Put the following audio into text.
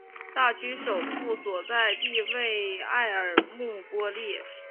大区首府所在地为埃尔穆波利。